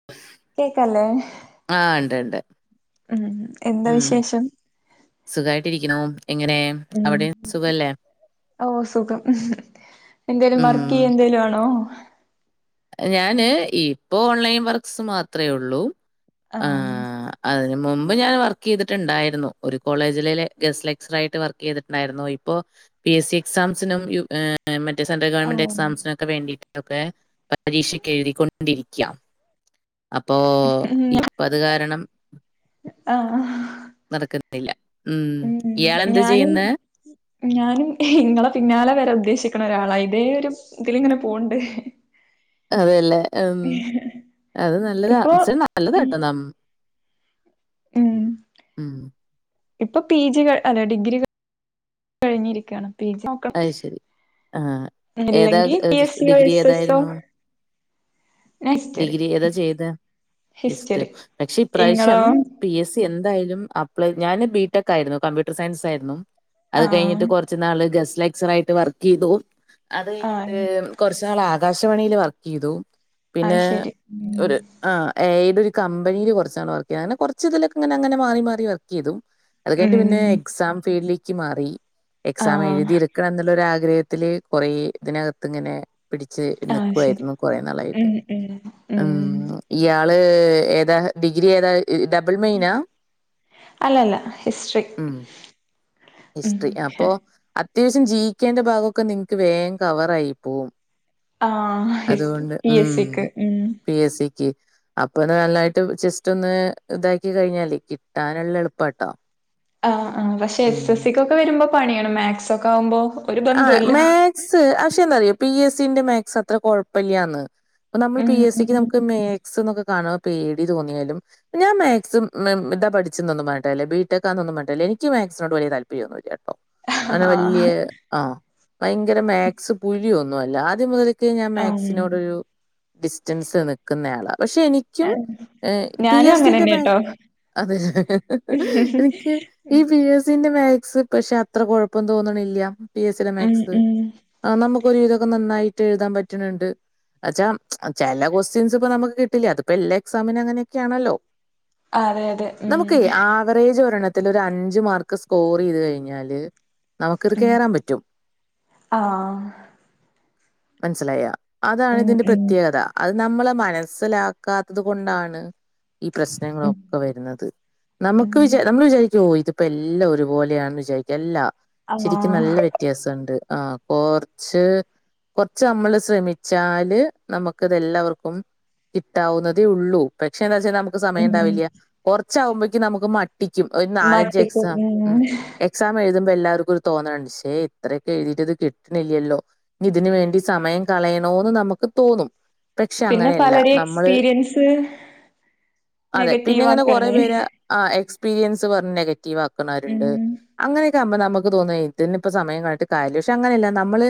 [inaudible] കേക്കല്ലേ? ആഹ് ണ്ട് ണ്ട്. ഉം, എന്താ വിശേഷം? സുഖായിട്ടിരിക്ക്ണു. എങ്ങനെ ഉം അവിടെ സുഖല്ലേ? ഓ സുഖം. എന്തേലും ഉം. വർക്കെയ്യേ എന്തേലും ആണോ? ഞാന് ഇപ്പൊ ഓൺലൈൻ വർക്ക്സ് മാത്രേ ഉള്ളൂ. ആഹ് അതിന് മുമ്പ് ഞാൻ വർക്കെയ്തിട്ടുണ്ടായിരുന്നു, ഒരു കോളേജിലെ ഗസ്റ്റ് ലെക്സ്രായിട്ട് വർക്കെയ്തിട്ടുണ്ടായിരുന്നു ഇപ്പ് പ്പോ പി എസ് സി എക്സാംസിനും, യു ഈഹ് മറ്റേ സെൻട്രൽ ഗവൺമെന്റ് ആഹ് എക്സാംസിനും ഒക്കെ വേണ്ടിട്ടൊക്കെ പരീക്ഷക്ക് എഴുതിക്കൊണ്ടിരിക്കാ അപ്പോ ഉം ഇപ്പ അത് കാരണം ആഹ് നടക്കുന്നില്ല ഉം, ഇയാൾ എന്ത് ചെയ്യുന്നേ? ഞാനും ഇങ്ങളെ പിന്നാലെ വരാൻ ഉദ്ദേശിക്കണ ഒരാളാ, ഇതേ ഒരു ഇതിലിങ്ങനെ പോവണ്ട്. അതേല്ലേ ഉം അത് നല്ലതാ ഇപ്പൊ പക്ഷെ ഉം നല്ലതാട്ടോ ന ഉം ഉം ഇപ്പൊ പി ജി അല്ല ഡിഗ്രി കഴി കഴിഞ്ഞിരിക്കയാണ് പീ ജി നോക്കണം അത് ശരി, ആഹ് ഏതാ ഇല്ലെങ്കിൽ പി എസ് സിയോ ഡിഗ്രി എസ് എസോ ഏതായിരുന്നു? ഹിസ്റ്ററി ഡിഗ്രി ഏതാ ചെയ്തെ ഹിസ്റ്ററി പക്ഷെ ഇപ്രാവശ്യം ഇങ്ങളോ പി എസ് സി എന്തായാലും അപ്ലെ ഞാന് ബി. ടെക് ആയിരുന്നു, കമ്പ്യൂട്ടർ സയൻസ് ആയിരുന്നു. അത് കഴിഞ്ഞിട്ട് ആഹ് കുറ ച്ച് നാള് ഗസ്റ്റ്ലെക്ച്ചറായിട്ട് വർക്ക് ചെയ്തു, അത് കഴിഞ്ഞിട്ട്. ആഹ് കുറച്ച് നാള് ആകാശവാണീൽ വർക്ക് ചെയ്തു, അത് പിന്നെ ശരി ഒരു... ആ എയിത് ഒരു കമ്പനില് കുറച്ചാള് വർക്കെയ്ത്, അങ്ങനെ കുറച്ച് ഇതിലൊക്കെ ഇങ്ങനെ അങ്ങനെ മാറി മാറി വർക്കെയ്തു. അത് കയിഞ്ഞട്ട് പിന്നെ ഉം എക്സാം ഫീൽഡിലേക്ക് മാറി, എക്സാം ആഹ് എഴുതി [unintelligible] എന്നുള്ള ഒരാഗ്രഹത്തില് കൊറെ ഇതിനകത്ത് ഇങ്ങനെ പിടിച്ച് ആഹ് ശരി നക്കുവായിരുന്നു കുറെ നാളായിട്ട് ഉം ഉം ഉം ഇയാള് ഏതാ ഡിഗ്രി ഏതാ? ഇ അല്ലല്ല ഹിസ്റ്ററി ഉം ഉം ഹിസ്റ്ററി, അപ്പൊ അത്യാവശ്യം ജീവിക്കേണ്ട ഭാഗൊക്കെ നിങ്ങക്ക് വേഗം കവറായി പോവും. ആഹ് അതുകൊണ്ട് പി എസ് സിക്ക് ഉം. പി എസ് സിക്ക്. അപ്പോത് നന്നായിട്ട് ജസ്റ്റ് ഒന്ന് ഇതാക്കി കഴിഞ്ഞാലേ കിട്ടാനുള്ള എളുപ്പട്ടോ. ആഹ് ആഹ് പക്ഷെ എസ് എസ് സിക്കൊക്കെ വരുമ്പോൾ പണിയാണ് മാക്സ് ഒക്കെ ആവുമ്പോ ഒരു ആ ബന്ധുല്ല മാക്സ് പക്ഷെ എന്താറിയ പി എസ് സിന്റെ മാക്സ് അത്ര കുഴപ്പില്യാന്ന്. നമ്മള് ഉം പി എസ് സിക്ക് ഉം നമുക്ക് മാക്സ് എന്നൊക്കെ കാണുമ്പോ പേടി തോന്നിയാലും... ഞാൻ മാക്സും ഇതാ പഠിച്ചുന്നൊന്നും പറഞ്ഞിട്ട് കാര്യല്ല ബിടെക്ക് ആന്നൊന്നും പറഞ്ഞട്ടല്ല എനിക്ക് മാകസിനോട് വലിയ താല്പര്യൊന്നുമില്ല കേട്ടോ. അത് വലിയ ആഹ് ആഹ് ഭയങ്കര മാക്സ് പുഴിയൊന്നുവല്ല ആദ്യം മുത ഞാൻ ഉം മാക്സിനോട് ഒരു ഡിസ്റ്റൻസ് നിൽക്കുന്ന ആളാ പക്ഷെ എനി ക്കും പി ഞാനും എസ് സിന്റെ അങ്ങനെന്നെട്ടോ മാക്സ് അതെ അതെ എനിക്ക് ഈ പി എസ് സിന്റെ മാക്സ് പക്ഷെ അത്ര കൊഴപ്പം തോന്നണില്ല, പി എസ് സിയുടെ ഉം മാക്സ്. ഉം ആഹ് നമുക്ക് ഒരു വിതൊക്കെ നന്നായിട്ട് എഴുതാൻ പറ്റണണ്ട്. വെച്ചാ ചില ക്വസ്റ്റ്യൻസ് ഇപ്പൊ നമുക്ക് കിട്ടില്ല. അതിപ്പോ എല്ലാ എക്സാമിനും അങ്ങനെയൊക്കെയാണല്ലോ. അതെ അതെ ഉം നമുക്കേ ആവറേജ് ഒരെണ ത്തില് ഒരു അഞ്ച് മാർക്ക് സ്കോർ ചെയ്ത് കഴിഞ്ഞാല് നമുക്കിത് ഉം കേറാൻ പറ്റ ആഹ് മനസിലായോ അതാണ് ഉം ഇതിന്റെ ഉം പ്രത്യേകത. അത് നമ്മള് മനസ്സിലാക്കാത്തത് കൊണ്ടാണ്. ഈ ഉം പ്രശ്നങ്ങളൊക്കെ വരുന്നത് ഉം നമുക്ക് വിചാ നമ്മൾ വിചാരിക്ക ഓ ഇതിപ്പോ എല്ലാം ഒരുപോലെയാണെന്ന് വിചാരിക്കും അല്ല ശരിക്കും നല്ല ആഹ് വെ ത്യാസംണ്ട് ആഹ് കൊറച്ച് കൊറച്ച് നമ്മള് ശ്രമിച്ചാല് നമുക്കത് എല്ലാവർക്കും കിട്ടാവുന്നതേ ഉള്ളൂ പക്ഷെ എന്താ വെച്ചാൽ നമുക്ക് സമയം ഉം ഇണ്ടാവില്ല കുറച്ചാകുമ്പഴേക്ക് നമുക്ക് ക്കും ഒരു നാലഞ്ച് എക്സാം ഉം എക്സാം എഴുതുമ്പോ എല്ലാവർക്കും ഒരു തോന്നലുണ്ട് ശ്ശെ ഇത്രയൊക്കെ എഴുതീട്ടത് കിട്ടണില്ലല്ലോ ഇനി ഇതിന് വേണ്ടി സമയം കളയണോന്ന് നമുക്ക് തോന്നും പക്ഷെ പിന്നെ അങ്ങനെയല്ല പലരെയും നമ്മള് എക്സ്പീരിയൻസ് അതെ നെഗറ്റീവ് പിന്നെങ്ങനെ കൊറെ ആക്കാണ് പേര് ആ എക്സ്പീരിയൻസ് പറഞ്ഞ് നെഗറ്റീവ് ആക്കണവരുണ്ട് ഉം അങ്ങനെയൊക്കെ ആകുമ്പോ നമുക്ക് തോന്നേ ഇതിന് ഇപ്പൊ സമയ കളഞ്ഞിട്ട് കാര്യല്ല പക്ഷെ അങ്ങനെയല്ല നമ്മള്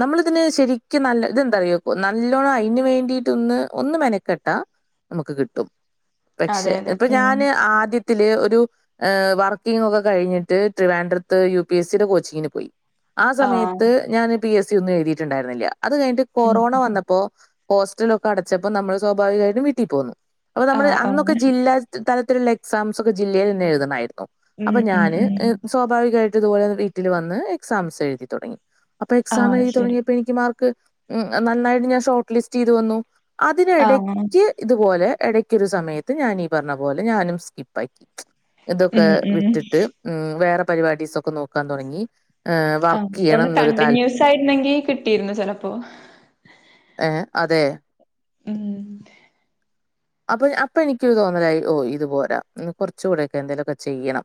നമ്മളിതിന് ശരിക്കും നല്ല ഇതെന്താറിയോ നല്ലോണം അയ്ന് വേണ്ടിയിട്ടൊന്ന് ഒന്ന് മെനക്കെട്ടാ നമുക്ക് കിട്ടും അതെ പക്ഷെ അതെ ഇപ്പൊ ഉം ഞാന് ആദ്യത്തെ ഒരു വർക്കിംങ് ഒക്കെ കഴിഞ്ഞിട്ട് ട്രിവാൻഡ്രത്ത് യു പി എസ് സി യുടെ കോച്ചിങ്ങിന് പോയി ആ ആഹ് സമയത്ത് ഞാന് പി എസ് സി ഒന്നും എഴുതിയിട്ടുണ്ടായിരുന്നില്ല അത് കഴിഞ്ഞിട്ട് ഉം കൊറോണ വന്നപ്പോ ഹോസ്റ്റലൊക്കെ അടച്ചപ്പോ നമ്മൾ സ്വാഭാവികമായിട്ടും വീട്ടിൽ പോകുന്നു അപ്പൊ നമ്മള് ആഹ് അന്നൊക്കെ ആഹ് ജില്ലാ തരത്തിലുള്ള എക്സാംസ് ഒക്കെ ജില്ലയിൽ തന്നെ എഴുതണായിരുന്നു ഉം അപ്പൊ ഉം ഞാന് ഉം സ്വാഭാവികയിട്ട് ഇതുപോലെ വീട്ടിൽ വന്ന് എക്സാംസ് എഴുതി തുടങ്ങി അപ്പൊ എക്സാം ആഹ് എഴുതി ശരി തുടങ്ങിയപ്പോ എനിക്ക് മാർക്ക് മം നന്നായിട്ട് ഞാൻ ഷോർട്ട് ലിസ്റ്റ് ചെയ്ത് വന്നു ആഹ് അതിനിടയ്ക്ക് ഇതുപോലെ ഇടക്കൊരു സമയത്ത് ഞാനീ പറഞ്ഞ പോലെ ഞാനും സ്കിപ്പാക്കി ഇതൊക്കെ ഉം ഉം വിട്ടിട്ട് മം വേറെ പരിപാടീസൊക്കെ നോക്കാൻ തുടങ്ങി ഏഹ് വർക്ക് ആഹ ഒന്ന് ചെയ്യണം എന്നൊരു താൽ കണ്ടിന്യൂസ് ആയിരുന്നെങ്കി കിട്ടിയിരുന്നു ചെലപ്പോ ഏ അതെ ഉം അപ്പൊ അപ്പൊ എനിക്ക് തോന്നലായി ഓ ഇത് പോരാ കുറച്ചുകൂടെ ഒക്കെ എന്തേലും ഒക്കെ ചെയ്യണം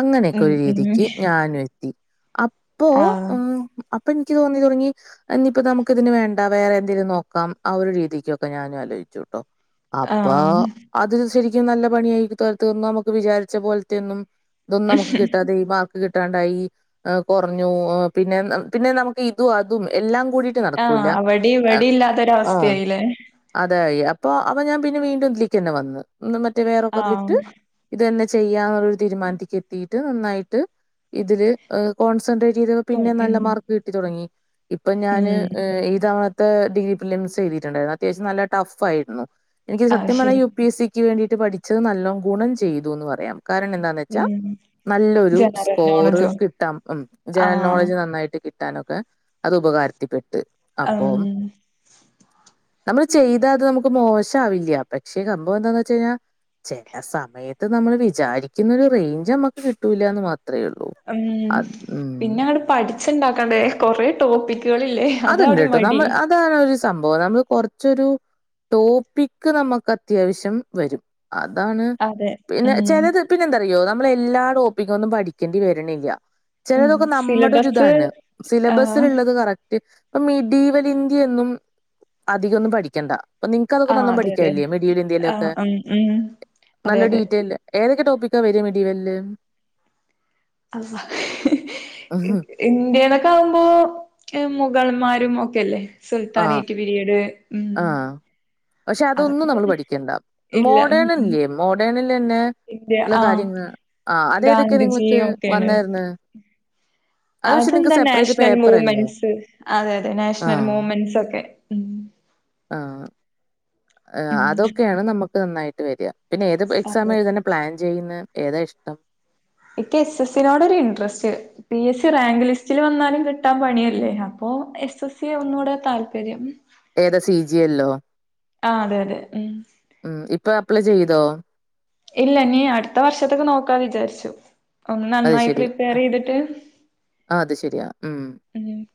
അങ്ങനെയൊക്കെ ഉം ഒരു ഉം രീതിക്ക് ഞാനും എത്തിഅ ആഹ അപ്പൊ ഇനിക്ക് തോന്നി തുടങ്ങി ഇനിയിപ്പ നമുക്ക് ഇതിന് വേണ്ട വേറെ എന്തെങ്കിലും നോക്കാം ആ ഒരു രീതിക്കൊക്കെ ഞാനും ആലോചിച്ചു കേട്ടോ അപ്പ ആഹ് അത് ശരിക്കും നല്ല പണിയായി തരത്ത്ന്ന് നമുക്ക് വിചാരിച്ച പോലത്തെയ ഒന്നും ഇതൊന്നും ഈ നമക്ക് കിട്ടാതെ ഈ [unintelligible] കിട്ടാണ്ടായി കുറഞ്ഞു പിന്നെ പിന്നെ നമുക്ക് ഇതും അതും എല്ലാം കൂടി ആഹ അവടി ഇവടി ഓ ഇല്ലാത്തൊരവസ്ഥയില്ലേ അതായി അപ്പൊ അപ്പം ഞാൻ പിന്നെ വീണ്ടും ഇതിലേക്ക് തന്നെ വന്ന് ഇന്ന് മറ്റേ വേറൊക്കെത് ആഹ് വിട്ട് ഇത് തന്നെ ചെയ്യാ എന്നുള്ളരു തീരുമാനത്തേക്ക് എത്തിയിട്ട് നന്നായിട്ട് ഇതില് കോൺസെൻട്രേറ്റ് ചെയ്തപ്പോ പിന്നെ ഉം നല്ല മാർക്ക് കിട്ടി തുടങ്ങി ഇപ്പൊ ഞാന് ഉം ഈ തവണ ത്തെ ഡിഗ്രി ബില്യൻസ് എഴുതിതിട്ടുണ്ടായിരുന്നു അത്യാവശ്യം നല്ല ടഫ് ആയിരുന്നു എനിക്ക് അത് സത്യം പറഞ്ഞ ശരി യു പി എസ് സിക്ക് വേണ്ടിയിട്ട് പഠിച്ചത് നല്ലോണം ഗുണം ചെയ്തു എന്ന് പറയാം കാരണം എന്താ വെച്ചാ ഉം നല്ലൊരു ജനറൽ സ്കോർ നോളജോ കിട്ടാമം ജനറൽ ആഹ് നോളജ് നന്നായിട്ട് കി കിട്ടാനൊക്കെ അത് ഉപകാരത്തിപ്പെട്ട് അപ്പോ ഉം നമ്മള് ചെയ്താ അത് നമുക്ക് മോശം ആവില്ല പക്ഷെ സംഭവം എന്താന്ന് വെച്ച് കഴിഞ്ഞാൽ ചില സമയത്ത് നമ്മൾ വിചാരിക്കുന്ന ഒരു റേഞ്ച് നമ്മക്ക് കിട്ടൂല്ലാന്ന് മാത്രേള്ളൂ ഉം പിന്നെ അങ്ങട്ട് പഠിച്ച്ണ്ടാക്കണ്ടേ കൊറെ ടോപ്പിക്ക്കളില്ലേ അത്ണ്ട്ട്ടോ നമ്മൾ അതാണ് ഒരു സംഭവം നമ്മൾ കൊറച്ചൊരു ടോപ്പിക്ക് നമുക്ക് അത്യാവശ്യം വരും അതാണ് അതെ പിന്നെ ഉം ചിലത് പിന്നെ എന്താറിയോ നമ്മൾ എല്ലാ ടോപ്പിക്കും ഒന്നും പഠിക്കേണ്ടി വര ണില്ല ഉം ചിലതൊക്കെ നമ്മുടെ സിലബസ് ഇതാണ് ആഹ് സിലബസിലുള്ളത് കറക്റ്റ് ഇപ്പ മിഡീവൽ ഇന്ത്യ എന്നും അധികൊന്നും പഠിക്കണ്ട പ്പൊ നിങ്ങക്ക് അതൊക്കെ ആഹ് നല്ലോം അതെ അതെ പഠിക്കാല്ലേ മീഡിവ്യൽ ആഹ് ഇന്ത്യയിലോക്കെ ഉം ഉം അതെ നല്ല അതെ ഡീറ്റെൽ ഏതൊക്കെ ടോപ്പിക്കാ വരാ മിഡീവ്യൽ അള്ളാ ഹ ഇന്ത്യനൊക്കെ ആകുമ്പോ മുഗൾമാരും ഒക്കെല്ലേ ആഹ് സുൽത്താനേറ്റ് പിരീഡ് ഉം ആഹ് പക്ഷെ അതൊക്കെ അതൊന്നും നമ്മൾ തന്നെ പഠിക്കേണ്ട ഇല്ല ഉം മോഡേണല്ലേ മോഡേണിൽ നി ന്നെ ഇന്ത്യ എല്ല ആഹ് കാര്യങ്ങ ൾ ആഅത് തൊക്കെ നിങ്ങക്ക് ഗാന്ധിജിയും ഒക്കെയാണ് വന്നായിരുന്നു അതെന്താ നാഷണൽ മൂമെൻസ് അതെ അതെ നാഷണൽ ആഹ് മൂമെൻസ് ഒക്കെ. ഉം ആ ഉം. അതൊക്കെയാണ് നമുക്ക് നന്നായിട്ട് വര പിന്നെ ഏത് എക്സാം അതെ എഴുത. പ്ലാൻ ചെയ്യുന്ന ഏതാ ഇഷ്ടം. എനിക്ക് എസ് എസ്സിനോടൊ ഒരു interest. P S C rank ലിസ്റ്റിൽ വന്നാലും കിട്ടാൻ പണിയല്ലേ അപ്പൊ എസ് എസ് സി ഒന്നുടെ താല്പര്യം ഏതാ സി ജി യല്ലോ ആ അതെ അതെ ഉം ഉ ഇപ്പൊ അപ്ലൈ ചെയ്തോ ഇല്ല നീ അടുത്ത വർഷത്തൊക്കെ നോക്കാ വിചാരിച്ചു ഒന്ന് നന്നായി പ്രിപ്പയർ ചെയ്തിട്ട് ആ അത് ശരിയാ ഉം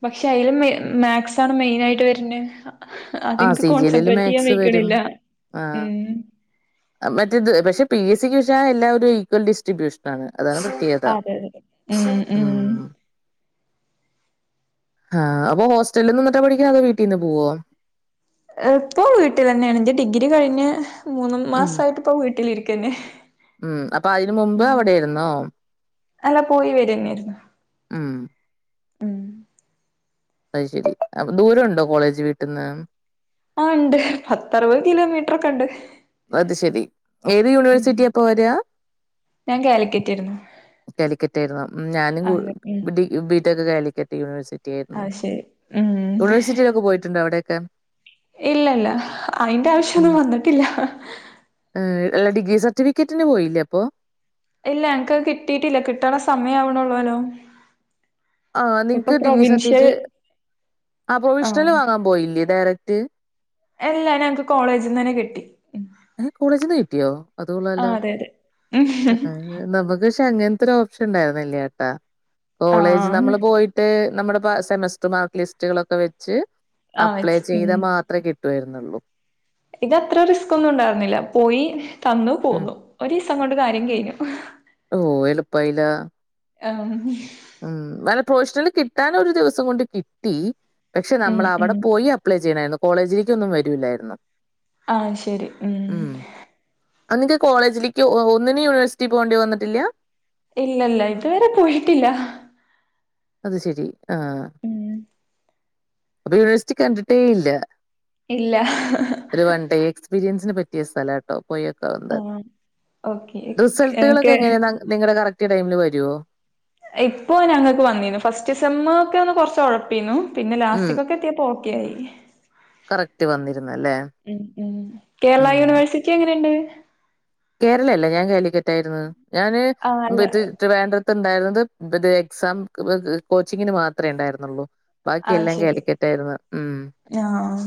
ഉപക്ഷെ അതിലും മാക്സ് ആണ് മെയിൻ ആയിട്ട് വരണത് ആഹ് അതിനിക്ക് സി ജി എല്ലില് കോൺസെൻട്രേറ്റ് ചെയ്യാൻ മാത്സ് വഴി ക് വരും ണില്ല ആഹ് ഉം മറ്റേത് പക്ഷെ പി എസ് സിക്ക് പക്ഷാ എല്ലാവരും ഈക്വൽ ഡിസ്ട്രിബ്യൂഷൻ ആണ് അതാണ് കിട്ടിയതാഉം അതെ അതെ ഉം ഉം ആഹ അപ്പൊ ഹോസ്റ്റലിൽ നിന്നിട്ട് പഠിക്കാ അതെ വീട്ടീ നിന്ന് പോുവോ ഇപ്പൊ വീട്ടിതന്നെയാണ് എന്റെ ഡിഗ്രി കഴിഞ്ഞ് മൂന്നു ഉം മാസായിട്ട് ഇപ്പോ വീട്ടിലിരിക്കന്നെ ഉം അപ്പൊ അതിന് മുമ്പ് ഉം അവിടെയാര്ന്നോ അല്ല പോയി വരന്നെയായിരുന്നു ഉം ഉം അയ്ശരി അപ്പ് ദൂരംഉണ്ടോ കോളേജ് വീട്ടിന്ന് ആഹ് ഉണ്ട് പത്തറുപത് കിലോമീറ്ററൊക്കെ ഉണ്ട് അത് ശെരി ഏത് ഉം യൂണിവേഴ്സിറ്റിയാപ്പോ വര്വാ ഞാൻ കാലിക്കറ്റാരുന്നു കാലിക്കട്ടായിരുന്നു ഞാനും ഉം ബി ടെക്ക് കാലിക്കറ്റ് യൂണിവേഴ്സിറ്റിയാരുന്നു അത് ശരി ഉം യൂണിവഴ്സിറ്റീലൊക്കെ പോയിട്ടുണ്ടോ അവിടെയെക്കെ ഇല്ലില്ല അയിന്റെ ഉം ആവശ്യൊന്നും വന്നിട്ടില്ല ഏഹ് അല്ല ഡിഗ്രി സർട്ടിഫിക്കറ്റിന് പോയില്ലേ അപ്പോ ഇല്ല എനക്ക്ത് കിട്ടിയിട്ടില്ല കിട്ടണ സമയമാവണള്ളൂല്ലോ ആഹ് നിങ്ങക്ക് ഡിഗ്രി പ്രൊവിൻഷ്യൽ സർട്ടിഫിക്കറ്റ് ആ പ്രൊവിഷണല് വാങ്ങാൻ പോയില്ലേ ഡയറക്റ്റ് എല്ലാ ഞങ്ങക്ക് കോളേജീന്ന് തന്നെ കിട്ടി ഉം ഏഹ് കോളേജീന്ന് കിട്ടിയോ ആ അതുകൊള്ളാലോ അതെ ആഹ് അതെ ആഹ് നമുക്ക് ക്ഷെ ങ്ങനത്തെ ഒരു ഓപ്ഷൻണ്ടായിരുന്നല്യാട്ടാ കോളേജ് ആഹ് നമ്മള് പോയി ട്ട് നമ്മുടെ സെമസ്റ്റർ മാർക്ക് ലിസ്റ്റുകളൊക്കെ വെച്ച് ആഹ് അപ്ലൈ വെച്ച് ഉം ചെയ്താ മാത്രേ കിട് ട്ടുവാരുന്നുള്ളൂ ഇതത്ര റിസ്ക് ഒന്നും ഉണ്ടായിരുന്നില്ല പോയി തന്നു ഉം. പോന്നു ഒരീസം കൊണ്ട് കാര്യം കഴിഞ്ഞു ഓഹ് എളുപ്പായീലാ ആഹ് ഉം വല പ്രൊവ്ഷനൽ കിട്ടാന ഒരു ദിവസം കൊണ്ട് കിട്ടി പക്ഷെ ഉം നമ്മളവിടെ ഉം പോയി അപ്ലൈ ചെയ്യണായിരുന്നു കോളേജിലേക്കൊന്നും വരൂല്ലായിരുന്നു ആഹ് ശരി ഉം ആഹ് നിങ്ങക്ക് കോളേജിലേക്ക് ഒന്നിനും യൂണ്വേഴ്സിറ്റി പോകേണ്ടി വന്നിട്ടില്ല ഇല്ലല്ല ഇതുവരെ പോയിട്ടില്ല അത് ശരി ആഹ് ഉം അപ്പോ യൂണിവേഴ്സിറ്റി കണ്ടിട്ടേ ഇല്ല ഇല്ല ഒരു വൺഡേ എക്സ്പീരിയൻസ്ന് പറ്റിയ സ്ഥലാ പോയോക്കാവുന്നെ ആഹ് ഓക്കെ റിസൾട്കളൊക്കെ എക്കെ എങ്ങനെയാ ന നിങ്ങടെ കറക്റ്റ് ടൈമില് വരോ ഇപ്പൊ ഞങ്ങക് വന്നിന്നു ഫസ്റ്റ്സമ്മ് ക്കെ ഒന്ന് കുറച്ഓയപിനു പിന്നെ ഉം ലാസ്റ്റിക്കൊക്കെ ഇപ്പോ ഒക്കെ ആയി കറക്റ്റ് വന്നിരുന്നല്ലേ കേരള യൂണിവേഴ്സി ക്കെ എങ്ങനേണ്ട് കേരള അല്ല ഞാൻ കാലിക്കറ്റായിരുന്നു ഞാന് ആഹ് അല്ല ട്രിവാണ്ട്രത്ണ്ടായിരുന്നത് എക്സാം കോച്ചിങ്ങിന് മാത്രെ ഇണ്ടായിരുന്നുള്ളൂ ആഹ് ബാക്കിയെല്ലാം ശരി കാലിക്കറ്റായിരുന്നു ഉം ആഹ്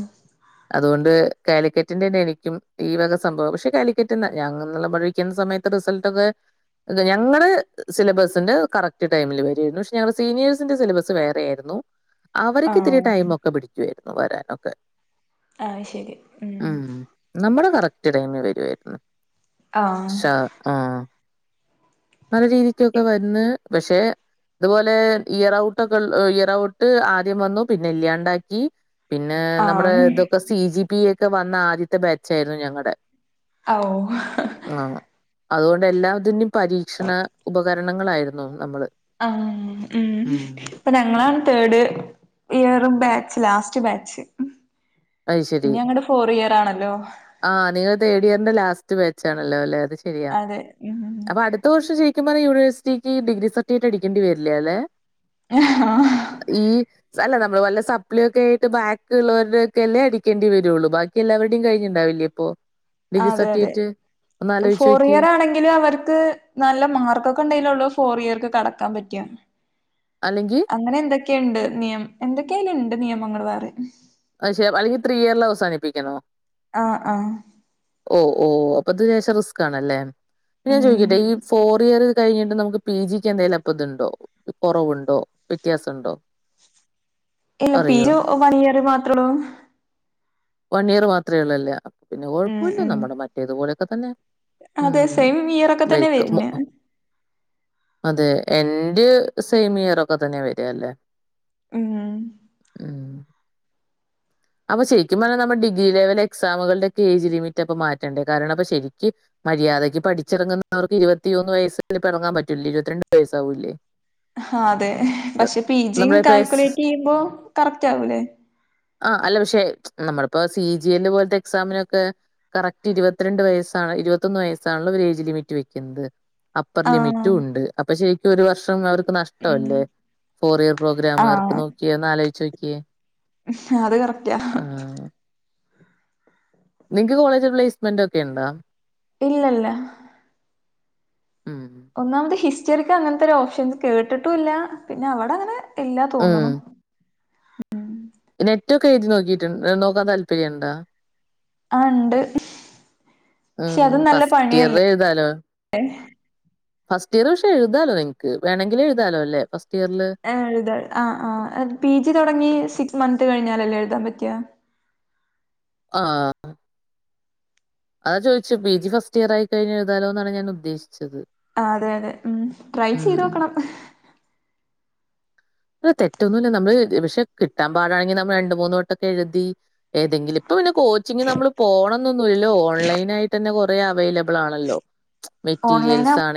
അതുകൊണ്ട് കാലിക്കറ്റിന്റെന്നെ എനിക്കും ഈ വക സംഭവം പക്ഷെ കാലിക്കറ്റ്ന്ന് ഞങ്ങന്നുള്ള പഠിക്കുന്ന സമയത്ത് റിസൾട്ടൊക്കെ ഞങ്ങള് സിലബസിന്റെ കറക്റ്റ് ടൈമിൽ വരുരുന്നു പക്ഷെ ഞങ്ങളുടെ സീനിയേഴ്സിന്റെ സിലബസ് വേറെ ആയിരുന്നു [inaudible] അവര്ക്ക്ത്തിരി ആഹ് ടൈമൊക്കെ പിടിക്കുവായിരുന്നു വരാനൊക്കെ ആയ്ശരി ഉം നമ്മടെ കറക്റ്റ് ടൈമിൽ വെരുവായിരുന്നു ആഹ് ആഹ് നല്ല രീതിക്കൊക്കെ വന്ന് പഷെ അതുപോലെ ഇയറൗട്ടൊക്കെ ഇയറ് ഔട്ട് ആദ്യം വന്നു പിന്നെ ഇല്യാണ്ടാക്കി പിന്നെ നമ്മുടെ ആഹ് ഇതൊക്കെ സി ജി പി എക്കെ വന്ന ആദ്യത്തെ ബാച്ചായിരുന്നു ഞങ്ങടെ അ ഓ ആഹ് അതുകൊണ്ട് എല്ലാത്തിന്റെ പരീക്ഷണ ഉപകരണങ്ങളായിരുന്നു നമ്മള് ആഹ് ഉം ഇപ്പൊ ഞങ്ങളാണ് തേർഡ് ഇയറും ബാച്ച് ലാസ്റ്റ് ബാച്ച് അത് ശരി ഇനിയങ്ങട് ഫോർ ഇയർ ആണല്ലോ ആഹ് നിങ്ങ തേർഡ് ഇയറിന്റെ ലാസ്റ്റ് ബേച്ചാണല്ലോ അല്ലേ അത് ശരിയാ അതെ ഉം അപ്പൊ അടു ത്ത വർഷം ശരിക്കും പറഞാ യൂണേഴ്റ്റിക്ക് ഡിഗ്ര സർട്ടിഫിക്കറ്റ് അടിക്കേണ്ടി വരില്ല ല്ലേ [unintelligible] ഈ അല്ല നമ്മള് വല്ല സപ്ലീ ഒക്കെ ആയിട്ട് ബാക്ക് ഇള്ളവരുടെ ക്കെല്ലേ അടിക്കേണ്ടി വരൂള്ളൂ ബാക്കി എല്ലാവരുടെ കഴിഞ്ഞുണ്ടാവില്ലേ ഇപ്പോ ഡിഗ്രി ആഹ് അതെ അതെ സർട്ടിഫിക്കറ്റ് ഒന്ന് ആലോചിച്ച് ഫോർ നോക്കിയേ ഇയർ ആണെങ്കി അവർക്ക് നല്ല മാർക്കൊക്കെ ഉണ്ടെലൊള്ളൂ ഫോർ ഇയർക്ക് കടക്കാൻ പറ്റ അല്ലെങ്കി അങ്ങനെ എന്തൊക്കെയ്ണ്ട് നിയമം എന്തൊക്കെയില്ണ്ട് നിയമങ്ങൾ വേറെ അയിശെ അല്ലെങ്കി ത്രീ ഇയറിൽ അവസാനിപ്പിക്കണോ ആഹ് ആഹ് ഓ ഓ അപ്പത് ലേശം റിസ്കാണല്ലേ ഞാൻ ഉം ചോദിക്കട്ടെ ഈ ഫോർ ഇയർ കഴിഞ്ഞിട്ട് നമുക്ക് പി ജിക്ക് എന്തേലും അപ്പതുണ്ടോ കുറവുണ്ടോ വ്യത്യാസണ്ടോ ഇല്ല പിഓ വൺ ഇയർ മാത്രോള്ളൂ വൺ ഇയർ മാത്രേ ഉള്ളൂല്ലേ പിന്നെ ഉം കുഴപ്പമില്ല ഉം നമ്മുടെ മറ്റേതുപോലെയൊക്കെ തന്നെ അതെ ഉം സെയിം ഇയറൊക്കെ തന്നെ വരുന്നെ [unintelligible] അതെ എന്റെ സെയിം ഇയർ ഒക്കെ തന്നെ വര് ആല്ലേ ഉം അപ്പൊ ശരിക്കുംപറഞ്ഞാ നമ്മ ഡിഗ്രി ലെവ എക്സമുകളുടെ ഒക്കെ ഏജ് ലിമിറ്റ് അപ്പ മാറ്റണ്ടേ കാരണം അപ്പ ശരിക്ക് മര്യാദക്ക് പഠിച്ചിറങ്ങുന്നവർക്ക് ഇരുപത്തിയൊന്ന് വയസിൽ ഇറങ്ങാൻ പറ്റൂലെ ഇരുപത്തിരണ്ടു വയസാവൂലേ ആഹ് അതെ പക്ഷെ പി ജി നമ്മുടെ ഇപ്പൊ എസ് കാൽക്കുലേറ്റ് ചെയ്യുമ്പോ കറക്റ്റ് ആവൂലേ ആഹ് അല്ല പക്ഷെ നമ്മളിപ്പോ സി ജി എൽ പോലത്തെ എക്സാമിനൊക്കെ കറക്റ്റ് ഇരുപത്തിരണ്ട് വയസാണ് ഇരുപത്തൊന്ന് വയസ്സാണല്ലൊ ഇവരേജ് ലിമിറ്റ് വെക്കുന്നത് അപ്പർ ആഹ് ലിമിറ്റുവുണ്ട് അപ്പൊ ശരിക്കും ഒരു വർഷം അവർക്ക് ഉം നഷ്ടവല്ലേ ഫോർ ഇയർ പ്രോഗ്രാംകാർക്ക് ആഹ് നോക്കിയോന്ന് ആലോചിച്ച് നോക്കിയേ അത് കറക്റ്റാ ആ നിങ്ങക്ക് കോളേജ് പ്ലേസ്മെന്റ് ഒക്കെ ഇണ്ടാ ഇല്ലല്ല ഉം ഒന്നാമത് ഹിസ്റ്ററിക്ക് അങ്ങനത്തെ ഒരു ഓപ്ഷൻസ് കേട്ടിട്ടുല്ല പിന്നെവട്ങ്ങനെ ഇല്ലാ തോന്നുണു ഉം നെറ്റൊക്കെ എഴുതി നോക്കിയിട്ട് നോക്കാൻ താല്പര്യംണ്ടാ ആഹ് ഇണ്ട് പക്ഷെ ഉം അത് നല്ല ഫസ്റ്റ് ഇയർ പണിയല്ലേ എഴുതാലോ ഫസ്റ്റ് ഇയർ പക്ഷെ എഴുതാലോ നിങ്ങക്ക് വേണെങ്കില് എഴുതാലോ അല്ലെ ഫസ്റ്റ് ഇയറില് ഏഹ് എഴുതാ ആഹ് ആഹ് എത് പി ജി തുടങ്ങി സിക്സ് മന്ത് കഴിഞ്ഞാലല്ലേ എഴുതാൻ പറ്റ്വ ആഹ് അതാ ചോയിച്ചേ പി ജി ഫസ്റ്റ് ഇയറായി കഴിഞ്ഞാ എഴുതാലോ ന്നാണ് ഞാനുദ്ദേശിച്ചത് ആഹ് അതെ അതെ ഉം ട്രൈ ചെയ്തോക്കണം തെറ്റൊന്നുമില്ല നമ്മള് പക്ഷെ കിട്ടാൻ പാടാണെങ്കി നമ്മള് രണ്ട് മൂന്ന് വട്ടംക്കെ എഴുതി ഏതെങ്കിലും ഇപ്പൊ പിന്നെ കോച്ചിങ് നമ്മള് പോണംന്നൊന്നുല്ലല്ലോ ഓൺലൈനായിട്ടന്നെ കൊറേ അവൈലബിളാണല്ലോ മ്‌ച് ഓൺലൈൻ ആവുമ്പോ മെറ്റീരിയൽസാ